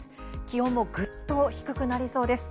気温もぐっと低くなりそうです。